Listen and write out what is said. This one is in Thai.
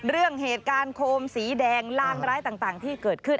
เรื่องเหตุการณ์โคมสีแดงลางร้ายต่างที่เกิดขึ้น